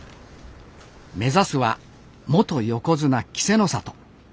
目指すは元横綱・稀勢の里。